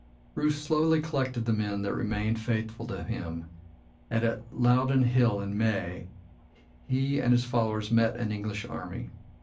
Bruce slowly collected the men that had remained faithful to him, and at Loudon Hill in May he and his followers met an English army.